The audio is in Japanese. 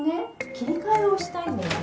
切り替えをしたいんだよね。